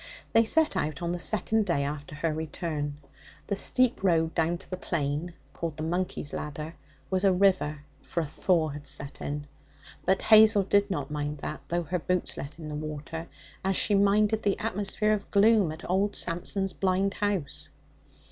They set out on the second day after her return. The steep road down to the plain called the Monkey's Ladder was a river, for a thaw had set in. But Hazel did not mind that, though her boots let in the water, as she minded the atmosphere of gloom at old Samson's blind house.